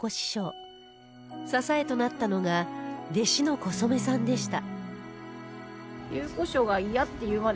支えとなったのが弟子の小そめさんでした